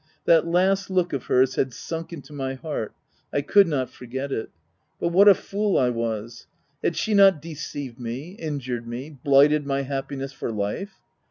That last look of hers had sunk into my heart ; I could not forget it — But what a fool I was |— Had she not deceived me, injured me — blighted my happiness for life